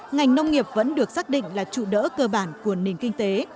ngành nông nghiệp vẫn được xác định là trụ đỡ cơ bản của nền kinh tế